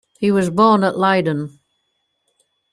He was born at Leiden.